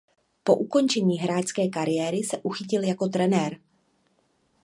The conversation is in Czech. Po ukončení hráčské kariéry se uchytil jako trenér.